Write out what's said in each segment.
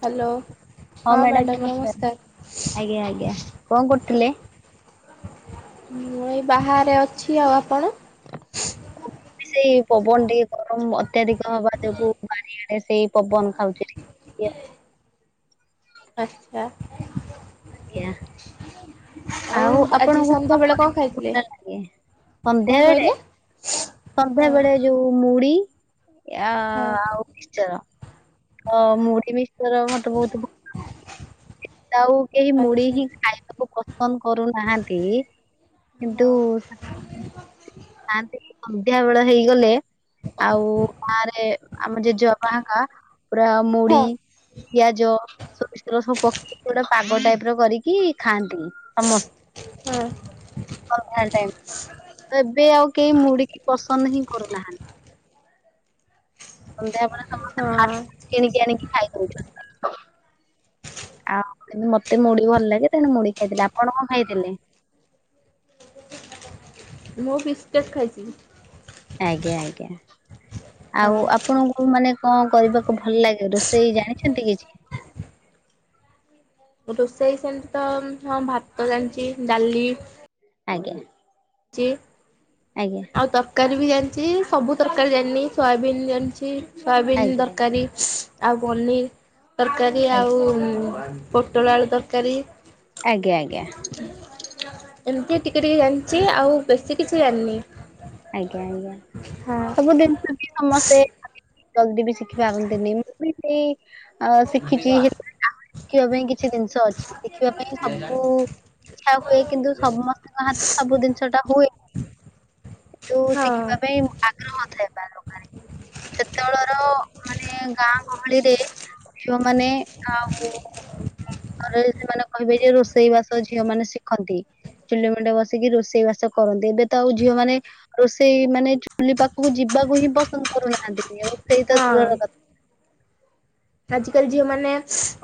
Hello. ହଁ madam ନମସ୍କାର ଆଜ୍ଞା ଆଜ୍ଞା କଣ କରୁଥିଲେ। ମୁଁ ଏଇ ବାହାରେ ଅଛି ଆଉ ଆପଣ। ସେଇ ପବନ ଟିକେ ଗରମ ଅତ୍ୟଧିକ ହବା ଯୋଗୁଁ ବାରିଆଡେ ସେଇ ପବନ ଖାଉଥିଲି। ଆଚ୍ଛା। ଆଜ୍ଞା ଆଉ ଆଜି ଆପଣଙ୍କୁ ସନ୍ଧ୍ୟାବେଳେ କଣ [inaudible] ଖାଇଥିଲେ ଭଲ ଲାଗେ। କଣ ସନ୍ଧ୍ୟା ବେଳେ କହିଲେ? ସନ୍ଧ୍ୟା ହଁ ବେଳେ ଯୋଉ ମୁଢି ଆ ହଁ ଆଉ ମିସ୍ଚର ତ ମୁଢି ମିସ୍ ର ମତେ ବହୁତ ଭ ତ ଆଉ କେହି ମୁଢ଼ି ଆଚ୍ଛା ହିଁ ଖାଇବାକୁ ପସନ୍ଦ କରୁନାହାନ୍ତି କିନ୍ତୁ ହଁ [unintelligible] ସନ୍ଧ୍ୟା ବେଳ ହେଇଗଲେ ଆଉ ଗାଁରେ ଆମ ଜେଜେବାପା ହାକା ପୁରା ମୁଡି ହଁ ପିଆଜ ସୋରିଷ ତେଲ ସବୁ ପକେଇକି ପୁରା ପାଗ ଟାଇପ ର କରିକି କି ଖାଆନ୍ତି ସମସ ହଁ ସଂଧ୍ୟାବେଳ ଟାଇମ୍ [inaudible] ଏବେ ଆଉ କେହି ମୁଢ଼ି କି ପସନ୍ଦ ହିଁ କରୁନାହାନ୍ତି। ସନ୍ଧ୍ୟାବେେଳେ ସମସ୍ତେ ହଁ ଫାଷ୍ଟଫୁଡ୍ କିଣିକି ଆଣିକି ଖାଇଦଉଛନ୍ତି। [inaudible] ଆଉ ମତେ ମୁଢି ଭଲ ଲାଗେ ତେଣୁ ମୁଢି ଖାଇଥିଲି ଆପଣ କଣ ଖାଇଥିଲେ। ମୁଁ ବିସ୍କେଟ ଖାଇଚି। ଆଜ୍ଞା ଆଜ୍ଞା ଆଉ ହଁ ଆପଣଙ୍କୁ ମାନେ କଣ କରିବାକୁ ଭଲ ଲାଗେ ରୋଷେଇ ଜାଣିଛନ୍ତି କିଛି। ରୋଷେଇ ସେମିତି ତ ହଁ ଭାତ ଜାଣିଚି ଡାଲି ଆଜ୍ଞା। ଚି ଆଜ୍ଞା। ଆଉ ତରକାରୀ ବି ଜାଣିଚି ସବୁ ତରକାରୀ ଜାଣିିନି ସୋୟାବିିନ ଜାଣିଚି। ସୋୟାବିନ୍ ଆଜ୍ଞା ତରକାରୀ ଆଉ ପନିର୍ ତରକାରୀ ଆଜ୍ଞା ଆଉ ପୋଟଳ ଆଳୁ ତରକାରୀ। ଆଜ୍ଞା ଆଜ୍ଞା। ଏମିତି ଟିକେ ଟିକେ ଜାଣିଚି ଆଉ ବେଶୀ କିଛି ଜାଣିିନି। ଆଜ୍ଞା ଆଜ୍ଞା ସବୁ ଦିନିଷ ବି ସମସ୍ତେ ଜଲଦି ବି ଶିଖିପାରନ୍ତିନି ମୁଁ ବି ସେଇ ଆ ଶିଖିଛି ହେଲେ ଆହୁରି ଶିଖିବା ପାଇଁ କିଛି ଜିନିଷ ଅଛି ଶିଖିବା ପାଇଁ ସବୁ ଖା ହୁଏ କିନ୍ତୁ ସମସ୍ତଙ୍କ ହାତରେ ସବୁ ଜିନିଷ ଟା ହୁଏ। ତୁ ହଁ। ଶିଖିବା ପାଇଁ ଆଗ୍ରହ‌ ଥାଏ ବା ଦରକାର। ସେତେବେଳର ମାନେ ଗାଁ ଗହଳିରେ ଝିଅ ମାନେ ଆଉ ଘରେ ସେମାନେ କହିବେ ଯେ ରୋଷେଇ ବାସ ଝିଅ ମାନେ ଶିଖନ୍ତି। ଚୁଲି ମୁଣ୍ଡେ ବସିକି ରୋଷେଇ ବାସ କରନ୍ତି ଏବେ ତ ଆଉ ଝିଅମାନେ ରୋଷେଇ ମାନେ ଚୁଲି ପାଖକୁ ଯିବାକୁ ହିଁ ପସନ୍ଦ କରୁନାହାନ୍ତି କେହି। ରୋଷେଇ ତ ହଁ। ଦୂରର କଥା। ଆଜିକାଲି ଝିଅମାନେ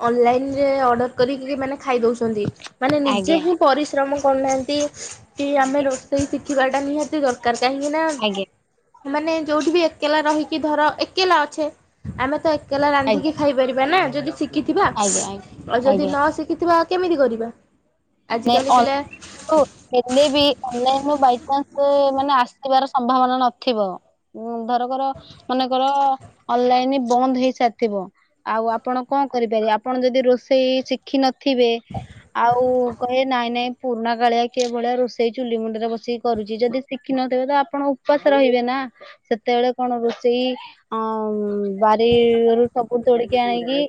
ଅନଲାଇନ ରେ ଅର୍ଡର କରିକି ମାନେ ଖାଇ ଦଉଛନ୍ତି। ମାନେ କଥା ନିଜେ ଆଜ୍ଞା ହିଁ ପରିଶ୍ରମ କରୁନାହାନ୍ତି କି ଆମେ ଆଜ୍ଞା ରୋ ରୋଷେଇ ଶିଖିବାଟା ନିହାତି ଦରକାର। କାହିଁକି ନା ଆଜ୍ଞା ମାନେ ଯୋଉଠି ବି ଏକେଲା ରହିକି ଧର‌ ଏକେଲା ଅଛେ, ଆମେ ତ ଏକେଲା ଆଜ୍ଞା ରାନ୍ଧିକି ଖାଇପାରିବା ନା ଯଦି ଶିଖିଥିବା। ଆଜ୍ଞା ଆଜ୍ଞା ଆଉ ଯଦି ଆଜ୍ଞା ନ ଶିଖିଥିବା କେମିତି କରିବା। ନାଇଁ ଆଜିକାଲି ଅ ପିଲା ରୁ ହେଲେ ବି ଅନଲାଇନ ରୁ ବାଇଚାନ୍ସ ମାନେ ଆସିବାର ସମ୍ଭାବନା ନଥିବ ଉଁ ଧରକର ମନେକର ଅନଲାଇନ୍ ବନ୍ଦ ହେଇ ସାରିଥିବ ଆଉ ଆପଣ କଣ କରିପାରିବେ। ଆପଣ ଯଦି ରୋଷେଇ ଶିଖିନଥିବେ, ଆଉ କହିବେ ନାଇଁ ନାଇଁ ପୁରୁଣା କାଳିଆ କିଏ ଭଳିଆ ରୋଷେଇ ଚୁଲି ମୁଣ୍ଡରେ ବସିକି କରୁଚି। ଯଦି ଶିଖିିନଥିବେ ତ ଆପଣକୁ ଉପାସ ରହିବେ ନା। ସେତେବେଳେ କଣ ରୋଷେଇ ଅ ବାରିରୁ ସବୁ ତୋଳିକି ଆଣିକି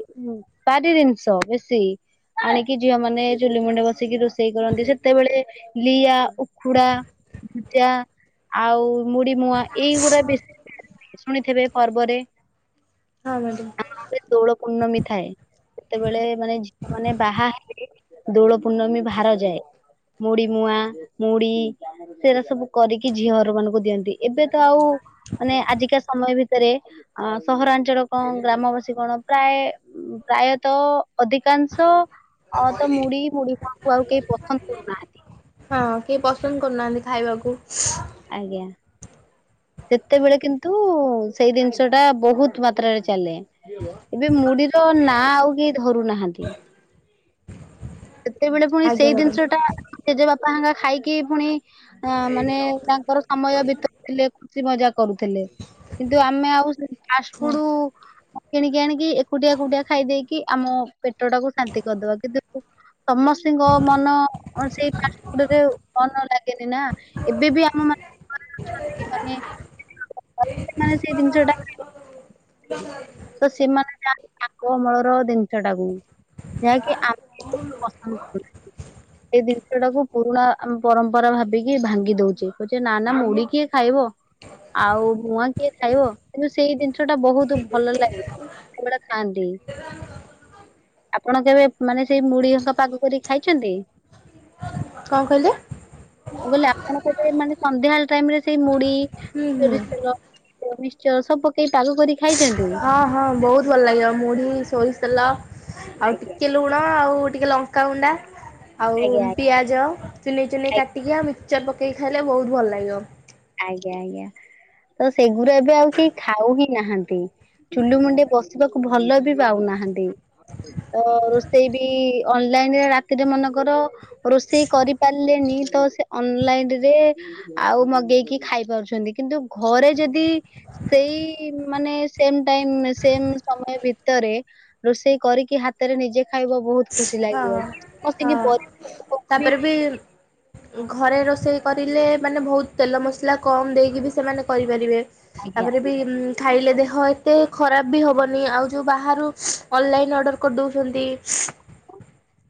ବାରି ଜିନିଷ ବେଶି ଆଣିକି ଝିଅ ମାନେ ଚୁଲି ମୁଣ୍ଡେ ବ ବସିକି ରୋଷେଇ କରନ୍ତି। ସେତେବେଳେ ଲିଆ ଉଖୁଡା ଭୁଜା ଆଉ ମୁଢ଼ି ମୁଆଁ ଏଇଗୁଡା ବି ଶୁଣିଥିବେ ପର୍ବରେ। [unintelligible] ସେ ଦୋଳ ପୂର୍ଣ୍ଣମୀ ଥାଏ। ସେତେବେଳେ ମାନେ ଝିଅ ମାନେ ବାହା ହେଇ ଦୋଳ ପୂର୍ଣ୍ଣମୀ ଭାର ଯାଏ। ମୁଢି ମୁଆଁ, ମୁଢି ସେରା ସବୁ କରିକି ଝିଅ ଘର ମାନଙ୍କୁ ଦିଅନ୍ତି। ଏବେ ତ ଆଉ ମାନେ ଆଜିକା ସମୟ ଭିତରେ ଅ ସହରାଞ୍ଚଳ କଣ ଗ୍ରାମବାସୀ କଣ ପ୍ରାୟ ପ୍ରାୟତଃ ଅଧିକାଂଶ ଅ ତ ମୁଢି ମୁଢି ମୁଆଁ କୁ ଆଉ କେହି ପସନ୍ଦ କରୁନାହାନ୍ତି। ହଁ କେହି ପସନ୍ଦ କରୁନାହାନ୍ତି ଖାଇବାକୁ। ଆଜ୍ଞା। ସେତେବେଳେ କିନ୍ତୁ ସେଇ ଜିନିଷ ଟା ବହୁତ ମାତ୍ରାରେ ଚାଲେ। ଏବେ ମୁଢିର ନା ଆଉ କେହି ଧରୁ ନାହାନ୍ତି। ସେତେବେଳେ ପୁଣି ଆଜ୍ଞା ସେଇ ମ୍ୟାଡ଼ାମ ଜିନିଷ ଟା ଜେଜେ ବାପା ହେଙ୍କା ଖାଇକି ପୁଣି ଅ ମାନେ ତାଙ୍କର ସମୟ ବିତ ଥିଲେ ଖୁସି ମଜା କରୁଥିଲେ। କିନ୍ତୁ ଆମେ ଆଉ ସେ ହଁ। ଫାଷ୍ଟଫୁଡ୍ କିଣିକି ଆଣିକି ଏକୁଟିଆ ଏକୁଟିଆ ଖାଇଦେଇକି ଆମ ପେଟ ଟାକୁ ଶାନ୍ତି କରିଦବା। କିନ୍ତୁ ସମସ୍ତିଙ୍କ ମନ ସେଇ ଫାଷ୍ଟଫୁଡ ରେ ମନ ଲାଗେନି ନା। ଏବେ ବି ଆମ ମାନେ [unintelligible] [unintelligible] ସେଇ ଜିନିଷ ଟା ତ ସେମାନେ ଚାହାନ୍ତି ଆଗ ଅମଳର ଜିନିଷ ଟାକୁ। ଯାହାକି ଆ [unintelligible] ପସନ୍ଦ [unintelligible] ସେଇ ଜିନିଷ ଟାକୁ ପୁରୁଣା ଆମ ପରମ୍ପରା ଭାବିକି ଭାଙ୍ଗି ଦଉଚେ କହୁଚେ ନା ନା ମୁଢି କିଏ ଖାଇବ। ଆଉ ମୁଆଁ କିଏ ଖାଇବ। କିନ୍ତୁ ସେଇ ଜିନିଷ ଟା ବହୁତ ଭଲ ଲାଗେ। ସେତବେଳେ ଖାଆନ୍ତି। ଆପଣ କେବେ ମାନେ ସେଇ ମୁଢି [unintelligible] ପାଗ କରି ଖାଇଛନ୍ତି? କଣ କହିଲେ? ମୁଁ କହିଲେ ଆପଣ କେବେ ମାନେ ସନ୍ଧ୍ୟାବେଳ ଟାଇମ୍ ରେ ସେଇ ମୁଢି ହୁଁ ହୁଁ ସୋରିଷ ତେଲ ମିକ୍ସଚର ସବୁ ପକେଇ ପାଗ କରି ଖାଇଚନ୍ତି? ହଁ ହଁ ବହୁତ ଭଲ ଲାଗିବ। ମୁଢି, ସୋରିଷ ତେଲ ଆଉ ଆଜ୍ଞା ଟିକେ ଲୁଣ ଆଉ ଟିକେ ଲଙ୍କାଗୁଣ୍ଡା ଆଉ ଆଜ୍ଞା ଆଜ୍ଞା ପିଆଜ ଚୁନେଇ ଚୁନେଇ କାଟିକି ଆଉ ମିକ୍ସଚର ପକେଇକି ଖାଇଲେ ବହୁତ ଭଲ ଲାଗିବ। ଆଜ୍ଞା ଆଜ୍ଞା ତ ସେଗୁରା ଏବେ ଆଉ କେହି ଖାଉ ହିଁ ନାହାନ୍ତି। ଚୁଲି ମୁଣ୍ଡେ ବସିବାକୁ ଭଲ ବି ପାଉନାହାନ୍ତି। ତ ରୁଷେଇ ବି, ଅନ୍‌ଲାଇନ୍‌ ରେ ରାତିରେ ମନେକର ରୁଷେଇ କରି ପାରିଲିନି, ତ ସେ ଅନ୍‌ଲାଇନି ରେ ଆଉ ମଗେଇ କି ଖାଇ ପାରୁଛନ୍ତି। କିନ୍ତୁ ଘରେ ଯଦି ସେଇ ମାନେ ସେମ୍ ଟାଇମ୍, ସେମ୍ ସମୟ ଭିତରେ। ରୁଷେଇ କରିକି, ହାତେରେ ନିଜେ ଖାଇବ ବହୁତ୍ ହଁ ହଁ ତାପରେ ବି [unintelligible] ଘରେ ରୋଷେଇ କରିଲେ, ମାନେ ଭଉତ୍ ତେଲ ମସ୍‌ଲା କମ୍ ଦେଇକି ବି ସେମାନେ କରିପାରିବେ। ଆଜ୍ଞା। [inaudible] ଖାଇଲେ ଦେହ ଏତେ ଖରାପ୍ ବି ହବନି, ଆଉ ଯଉ ବାହାରୁ ଅଲ୍ଲାଇନ୍‌ ଅର୍ଡ଼ର କର୍ ଦଉଚନ୍ତି।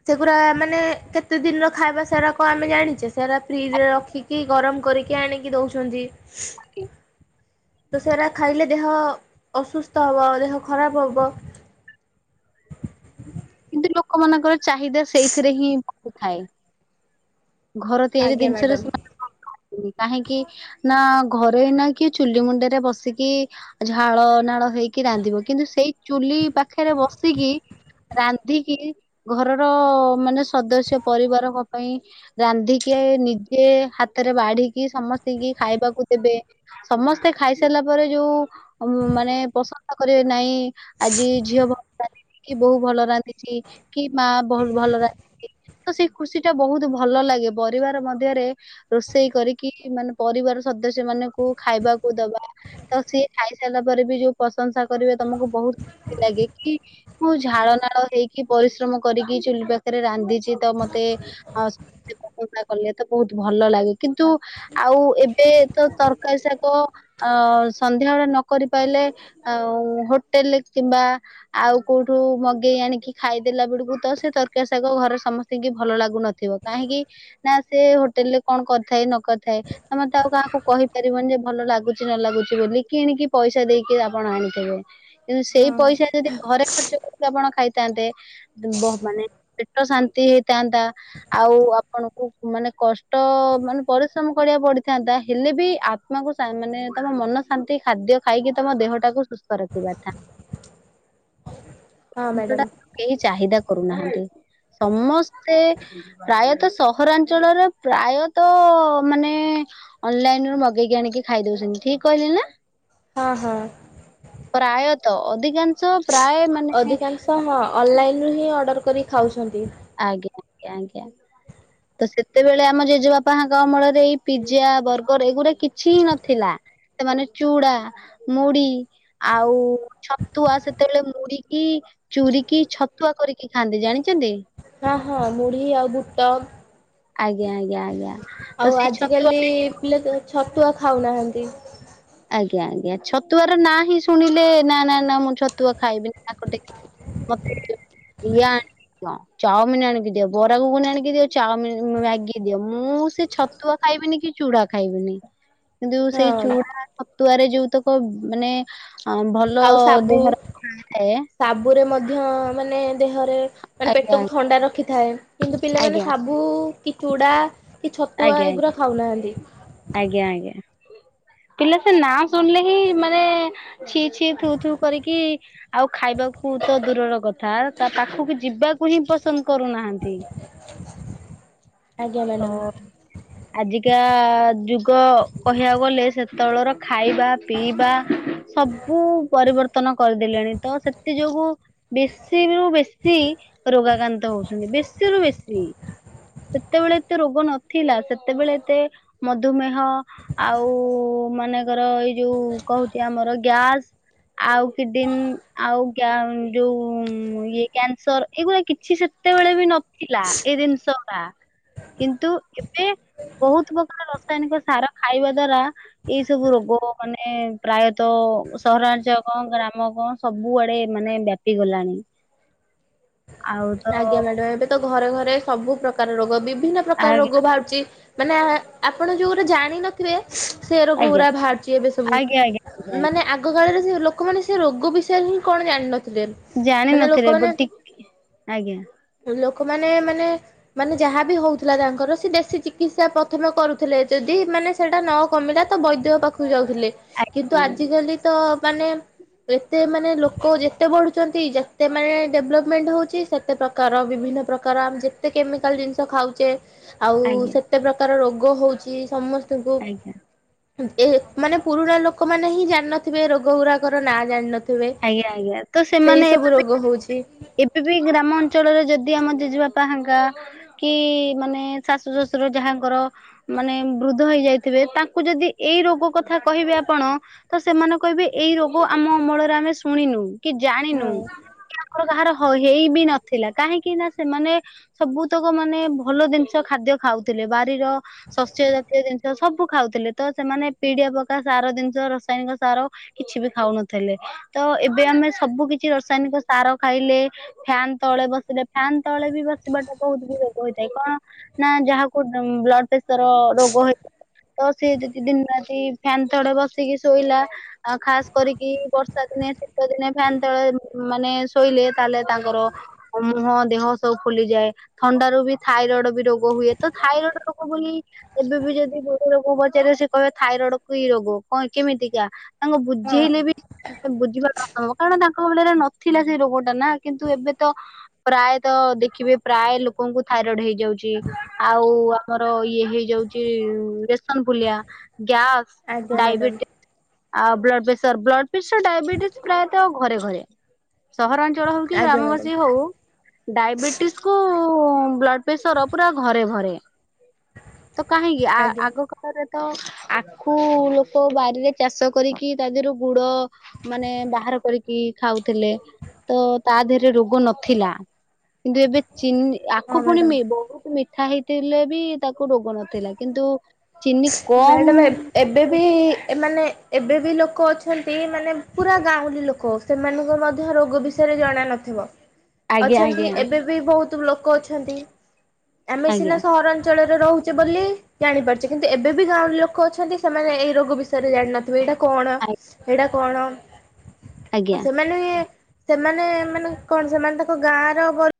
ସେଗୁରା ମାନେ କେତେ ଦିନ୍‌ର ଖାଇବା? ସେରା କ'ଣ ଆମେ ଜାଣିଚେ। ସେରା ଫ୍ରିଜ୍‌ ରେ ରଖି କି, ଗରମ୍ କରିକି ଆଣିକି ଦଉଚନ୍ତି। [unintelligible] ତ ସେରା ଖାଇଲେ ଦେହ ଅସୁସ୍ଥ ହବ, ଦେହ ଖରାପ୍ ହବ। କିନ୍ତୁ ଲୋକମାନଙ୍କର ଚାହିଦା ସେଇଥିରେ ହିଁ ଥାଏ। ଆଜ୍ଞା ମ୍ୟାଡ଼ାମ। [unintelligible] ନା ଘରେ ନା କି ଚୁଲି ମୁଣ୍ଡରେ ବସିକି ଝାଳ ନାଳ ହେଇକି ରାନ୍ଧିବ, କିନ୍ତୁ ସେଇ ଚୁଲି ପାଖରେ ବସିକି ରାନ୍ଧିକି, ଘରର ମାନେ ସଦସ୍ୟ ପରିବାରକ ପାଇଁ ରାନ୍ଧିକେ, ନିଜେ ହାତେରେ ବାଢ଼ିକି ସମସ୍ତିଙ୍କି ଖାଇବାକୁ ଦେବେ। ସମସ୍ତେ ଖାଇ ସାର୍ଲା ପରେ, ଯଉ ମାନେ ପସନ୍ଦ କରିବେ ନାଇଁ। [unintelligible] [inaudible] ଭଲ ଲାଗେ, ପରିବାର ମଧ୍ୟରେ ରୁଷେଇ କରିକି, ମାନେ ପରିବାର ସଦସ୍ୟ ମାନେକୁ ଖାଇବାକୁ ଦବା। ତ ସିଏ ଖାଇ ସାର୍ଲା ପରେ ବି, ଯଉ ପଶଂସା କରିବେ ତମକୁ ବହୁତ୍ ଲାଗେ କି? ମୁଁ ଝାଳ ନାଳ ହେଇକି ପରିଶ୍ରମ କରିକି ଚୁଲି ପାଖେରେ ରାନ୍ଧିଚି। ତ ମତେ ପ୍ରଶଂସା କଲେ ତ ବହୁତ୍ ଭଲ ଲାଗେ, କିନ୍ତୁ ଆଉ ଏବେ ତ ତର୍କାରୀ ସନ୍ଧ୍ୟାବଳେ ନ କରି ପାଇଲେ, ହୋଟେଲ୍‌ ରେ କିମ୍ବା ଆଉ କଉଠୁ ମଗେଇ ଆଣିକି ଖାଇଦେଲା ବେଳକୁ, ତ ସେ ତର୍କାରୀ ଶାଗ ଘରେ ସମସ୍ତିଙ୍କି ଭଲ ଲାଗୁନଥିବ। କାହିଁକି ନା ସେ ହୋଟେଲ୍ ରେ କ'ଣ କର୍ ଥାଏ ନ କର୍ ଥାଏ। ତମେତ ଆଉ କାହାକୁ କହିପାରିବନି ଯେ ଭଲ ଲାଗୁଚି ନ ଲାଗୁଚି ବୋଲି, କିଣିକି ପଇସା ଦେଇକି ଆପଣ ଆଣିଥିବେ। କିନ୍ତୁ ସେଇ ହଁ ପଇସା ଯଦି ଘରେ ଖର୍ଚ୍ଚ ଆପଣ ଖାଇଥାନ୍ତେ, ମାନେ ପେଟ ଶାନ୍ତି ହେଇଥାନ୍ତା। ଆଉ ଆପଣକୁ ମାନେ କଷ୍ଟ ମାନେ ପରିଶ୍ରମ କରିବାକୁ ପଡ଼ିଥାନ୍ତା। ହେଲେ ବି କୁ ମାନେ ତମ ମନ ଶାନ୍ତି, ଖାଦ୍ୟ ଖାଇକି ତମ ଦେହଟାକୁ ସୁସ୍ଥ ରଖି [unintelligible] ମ୍ୟାଡ଼ାମ [inaudible] ପ୍ରାୟତ ସହରାଞ୍ଚଳରେ ପ୍ରାୟତ ମାନେ ଅନ୍‌ଲାଇନ୍‌ ରୁ ମଗେଇକି ଆଣିକି ଖାଇ ଦଉଚନ୍ତି। ଠିକ୍ କହିଲି ନା। ହଁ ହଁ। ପ୍ରାୟତ ଅଧିକାଂଶ ପ୍ରାୟେ ମାନେ ଅଲ୍ ନାଇନ୍ ହିଁ ଅର୍ଡ଼ର୍ କରି ଖାଉଛନ୍ତି। [unintelligible] [unintelligible] ତ ସେତେବେଳେ ଆମ ଜେଜେବାପାଙ୍କ ଅମଳରେ ଏଇ ପିଜା, ବର୍ଗର ଏଗୁରା କିଛି---ନଥିଲା। ସେମାନେ ଚୁଡ଼ା ମୁଡ଼ି ଆଉ ଛତୁଆ ସେତେବେଳେ ମୁଡ଼ି କି ଚୁରୀ କିି ଛତୁଆ କରିକି ଖାଆନ୍ତି, ଜାଣିଚନ୍ତି? ହଁ ମୁଢ଼ି ଆଉ ବୁଟ। ଆଜ୍ଞା ଆଜ୍ଞା ଆଜ୍ଞା, ଆଉ ତ ସେଇ ଛତୁଆ ଆଜିକାଲି ପିଲା ଛତୁଆ ଖାଉନାହାନ୍ତି। ଆଜ୍ଞା ଆଜ୍ଞା ଛତୁଆର ନାଁ ହିଁ ଶୁଣିଲେ ନା ନା ନା ମୁଁ ଛତୁଆ ଖାଇବିନି ନାକ ଟେକି [unintelligible] ଚାଓମିନ ଆଣିକି ଦିଅ ବରା ଘୁଗୁନି ଆଣିକି ଦିଅ ଚାଓମି ମ୍ୟାଗି ଦିଅ ମୁଁ ସେ ଛତୁଆ ଖାଇବିନି କି ଚୁଡ଼ା ଖାଇବିନି। [unintelligible] କିନ୍ତୁ ସେଇ ହଁ ଚୁଡ଼ା ଛତୁଆରେ ଯୋଉତକ ମାନେ ଅ ଭଲ ଆଉ ସାବୁ ଦେହର ଥାଏ। ସାବୁରେ ମଧ୍ୟ ମାନେ ଦେହରେ ମାନେ ଆଜ୍ଞା ପେଟକୁ ଥଣ୍ଡା ରଖିଥାଏ କିନ୍ତୁ ଆଜ୍ଞା ପିଲାମାନେ ଆଜ୍ଞା ସାବୁ କି ଚୁଡ଼ା କି ଛତୁଆ ଆଜ୍ଞା ଏଗୁରା ଖାଉନାହାନ୍ତି। ଆଜ୍ଞା ଆଜ୍ଞା ପିଲା ସେ ନାଁ ଶୁଣିଲେ ହିଁ ମାନେ ଛି ଛି ଥୁ ଥୁ କରିକି ଆଉ ଖାଇବାକୁ ତ ଦୂରର କଥା ତା ପାଖକୁ ଯିବାକୁ ହିଁ ପସନ୍ଦ କରୁନାହାନ୍ତି। ଆଜ୍ଞା ମ୍ୟାଡ଼ାମ [unintelligible] ଆଜିକା ଯୁଗ କହିବାକୁ ଗଲେ ସେତବେଳର ଖାଇବା ପିଇବା ସବୁ ପରିବର୍ତ୍ତନ କରିଦେଲେଣି ତ ସେଥି ଯୋଗୁ ବେଶୀରୁ ବେଶୀ ରୋଗାକାନ୍ତ ହଉଛନ୍ତି ବେଶୀରୁୁ ବେଶୀ। ସେତେବେଳେ ଏତେ ରୋଗ ନଥିଲା ସେତେବେଳେ ଏତେ ମଧୁମେହ ଆଉ ମନେଙ୍କର ଏଇ ଯୋଉ କହୁଛି ଆମର ଗ୍ୟାସ ଆଉ କିଡିନୀ ଆଉ ଗ୍ୟା ଯୋଉ ଇଏ କ୍ୟାନ୍ସର ଏଇଗୁଡା କିଛି ସେ ସେତେବେଳେ ବି ନଥିଲା ଏଇ ଦିନିଷ ଗୁଡା। କିନ୍ତୁ ଏବେ ବହୁତ୍ ପ୍ରକାର ରସାୟନିକ ସାର ଖାଇବା ଦ୍ଵାରା ଏଇ ସବୁ ରୋଗ ମାନେ ପ୍ରାୟତଃ ସହରାଞ୍ଚ କଣ ଗ୍ରାମ କଣ ସବୁଆଡେ ମାନେ ବ୍ୟାପି ଗଲାଣି। [unintelligible] ଆଉ ତ ଆଜ୍ଞା ମ୍ୟାଡ଼ାମ ଏବେ ତ ଘରେ ଘରେ ସବୁ ପ୍ରକାର ରୋଗ ବିଭିନ୍ନ ପ୍ରକାର ଆଜ୍ଞା ରୋଗ ବାହାରୁଛି। ମାନା ଆପଣ ଯୋଉ ଗୋଟେ ଜାଣିିନଥିବେ ସେ ରୋଗ ଆଜ୍ଞା ଗୁରା ବାହାରଛି ଏବେ ସବୁ ଆଜ୍ଞା ଆଜ୍ଞା ଆଜ୍ଞା ଆଜ୍ଞା ମାନେ ଆ ଆଗ କାଳରେ ସେ ଲୋକମାନେ ସେ ରୋଗ ବିଷୟରେ ହିଁ କଣ ଜାଣିନଥିଲେ। ମାନେ ଜାଣିିନଥିଲେ ଲୋକମାନେ ବଟ୍ ଟିକ ଆଜ୍ଞା। ଲୋକମାନେ ମାନେ ମାନେ ଯାହା ବି ହଉଥିଲା ତାଙ୍କର ସେ ଦେଶୀ ଚିକିତ୍ସା ପ୍ରଥମେ କରୁଥିଲେ ଯଦି ମାନେ ସେଟା ନ କମିଲା ତ ବୈଦ୍ୟ ପାଖକୁ ଯାଉଥିଲେ ଆଜ୍ଞା କିନ୍ତୁ ଆଜ୍ଞା ଆଜିକାଲି ତ ମାନେ ଏତେ ମାନେ ଲୋକ ଯେତେ ବଢୁଛନ୍ତି ଯେତେ ମାନେ ଡେଭଲବ ମେଣ୍ଟ ହଉ ଚି ସେତେ ପ୍ରକାର ବିଭିନ୍ନ ପ୍ରକାର ଆମେ ଯେତେ କେମିକାଲ ଜିନିଷ ଖାଉଛେ ଆଉ ଆଜ୍ଞା ସେ କେତେ ପ୍ରକାର ରୋଗ ହଉଚି ସମସ୍ତଙ୍କୁ ଆଜ୍ଞା ଏ ମାନେ ପୁରୁଣା ଲୋକ ମାନେ ହିଁ ଜାଣିନଥିବେ ଏ ରୋଗ ଗୁରାକର ନାଁ ଜାଣିନ ଥିବେ ଆଜ୍ଞା ଆଜ୍ଞା ତ ସେଇ ସେମାନେ ସବୁ ରୋଗ ହଉଛି। ଏବେ ବି ଗ୍ରାମ ଅଞ୍ଚଳରେ ଯଦି ଆମ ଜେଜେ ବାପା ହାଙ୍କା କି ମାନେ ଶାଶୁ ଶଶୁର ଯାହାଙ୍କର ମାନେ ବୃଦ୍ଧ ହେଇଯାଇଥିବେ ତାଙ୍କୁ ଯଦି ଏଇ ରୋଗ କଥା କହିବେ ଆପଣ ତ ସେମାନେ କହିବେ ଏଇ ରୋଗ ଆମ ଅମଳରେ ଆମେ ଶୁଣିନୁ କି ହଁ ଜାଣିନୁ। ଆଗୁରୁ କାହାର ହ ହେଇ ବି ନଥିଲା କାହିଁକି ନା ସେମାନେ ସବୁତକ ମାନେ ଭଲ ଦିନିଷ ଖାଦ୍ୟ ଖାଉଥିଲେ ବାରିର ଶସ୍ୟ ଜାତୀୟ ଜିନିଷ ସବୁ ଖାଉଥିଲେ ତ ସେମାନେ ପିଡିଆ ପକା ସାର ଜିନିଷ ରାସାୟନିକ ସାର କିଛି ବି ଖାଉନଥିଲେ ତ ଏବେ ଆମେ ସବୁ କିଛି ରସାୟନିକ ସାର ଖାଇଲେ ଫ୍ୟାନ ତଳେ ବସିଲେ ଫ୍ୟାନ ତଳେ ବି ବସିବାଟା ବହୁତ୍ ବି ରୋଗ ହୋଇଥାଏ କଣ? ନାଁ ଯାହାକୁ ବ୍ଲଡ ପ୍ରେସର ରୋଗ ହେ ତ ସେ ଯଦି ଦିନ ରାତି ଫ୍ୟାନ୍ ତଳେ ବସିକି ଶୋଇଲା ଆ ଖାସ କରିକି ବର୍ଷା ଦିନେ ଶୀତ ଦିନେ ଫ୍ୟାନ ତଳେ ଉଁ ମାନେ ଶୋଇଲେ ତାହେଲେ ତାଙ୍କର ମୁହଁ ଦେହ ସବୁ ଫୁଲିଯାଏ। ଥଣ୍ଡାରୁ ବି ଥାଇରଏଡ ବି ରୋଗ ହୁଏ। ତ ଥାଇରଏଡ ରୋଗ ବୋଲି ଏବେ ବି ଯଦି ବୁଢି ଲୋକକୁ ପଚାରିବ। ସେ କହିବେ ଥାଇରଏଡ କି ରୋଗ କଣ କେମିତିକା? ତାଙ୍କୁ ହଁ ବୁଝେଇଲେ ବି ବୁଝିବା ନ [unintelligible] କାରଣ ତାଙ୍କ ବେଳେ ରେ ନ ଥିଲା ସେଇ ରୋଗ ଟା ନା କିନ୍ତୁ ଏବେ ତ ପ୍ରାୟତଃ ଦେଖିବେ ପ୍ରାୟ ଲୋକଙ୍କୁ ଥାଇରଏଡ ହେଇଯାଉଚି। ଆଉ ଆମର ଇଏ ହେଇଯାଉଛି ଏସନ ଫୁଲିଆ, ଗ୍ୟାସ୍ ଆଜ୍ଞା ମ୍ୟାଡ଼ାମ ଡାଇବେଟିସ୍ ଆଉ blood pressure blood pressure diabetes ପ୍ରାୟତଃ ଘରେ ଘରେ। ସହରାଞ୍ଚଳ ହଉ କି ଆଜ୍ଞା ମ୍ୟାଡ଼ାମ୍ ଗ୍ରାମବାସୀ ହଉ। ଡାଇବେଟିସକୁୁ ବ୍ଲଡ଼ ପ୍ରେସର ପୁରା ଘରେ ଘରେ। ତ କାହିଁକି ଆ ଆଜ୍ଞା ଆଗ କୁ ଖରେ ତ ଆଖୁ ଲୋକ ବାରିରେ ଚାଷ କରିକି ତା ଦେହରୁ ଗୁଡ ମାନେ ବାହାର କରିକି ଖାଉଥିଲେ। ତ ତା ଦେହରେ ରୋଗ ନଥିଲା। କିନ୍ତୁ ଏବେ ଚିନି ଆଖୁ ହଁ ପୁଣି ମ୍ୟାଡ଼ାମ୍। ବି ମି ମିଠା ହେଇଥିଲେ ବି ତାକୁ ରୋଗ ନଥିଲା। କିନ୍ତୁ ଚିନି କମ୍ ମ୍ୟାଡ଼ାମ ଏ ଏବ୍ ଏବେବି ଏ ମାନେ ଏବେ ବି ଲୋକ ଅଛନ୍ତି ମାନେ ପୁରା ଗାଉଁଳି ଲୋକ ସେମାନଙ୍କୁ ମଧ୍ୟ ରୋଗ ବିଷୟରେ ଜଣା ନଥିବ। ଆଜ୍ଞା ଅଛନ୍ତି ଆଜ୍ଞା ଏବେ ବି ବହୁତ ଲୋକ ଅଛନ୍ତି ଆମେ ସିନା ଆଜ୍ଞା ସହରାଞ୍ଚଳରେ ରହୁ ଚୁ ବୋଲି ଜାଣିପାରୁଚେ। କିନ୍ତୁ ଏବେ ବି ଗାଉଁଲି ଲୋକ ଅଛନ୍ତି ସେମାନେ ଏଇ ରୋଗ ବିଷୟରେ ଜାଣିନଥିବେ। ଏଇଟା କଣ ହେଇଟା କଣ ଆଜ୍ଞା। ସେମାନେ ସେମାନେ ମାନେ କଣ ସେମାନେ ତାଙ୍କ ଗାଁ ର ଗ